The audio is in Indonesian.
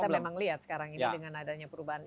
dan kita memang lihat sekarang ini dengan adanya perubahan